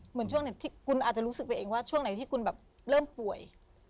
เหมือนช่วงไหนที่คุณอาจจะรู้สึกไปเองว่าช่วงไหนที่คุณแบบเริ่มป่วย